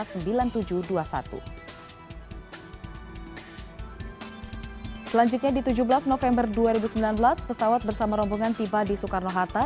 selanjutnya di tujuh belas november dua ribu sembilan belas pesawat bersama rombongan tiba di soekarno hatta